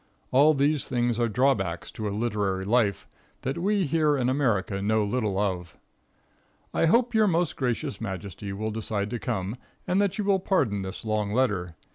All these things are drawbacks to a literary life, that we here in America know little of. I hope your most gracious majesty will decide to come, and that you will pardon this long letter.